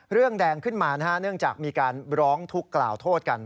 เรื่องแดงขึ้นมาเนื่องจากมีการร้องทุกข์กล่าวโทษกัน